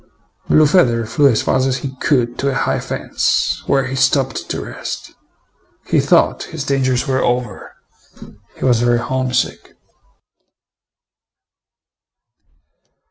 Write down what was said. Blue feather flew as fast as he could to a high fence, where he stopped to rest. He thought his dangers were over. He was very homesick.